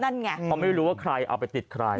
เพราะไม่รู้ว่าใครเอาไปติดใคร